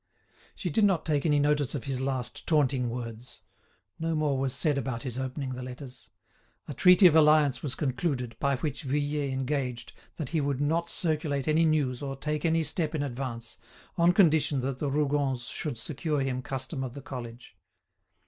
She did not take any notice of his last taunting words. No more was said about his opening the letters. A treaty of alliance was concluded, by which Vuillet engaged that he would not circulate any news or take any step in advance, on condition that the Rougons should secure him the custom of the college.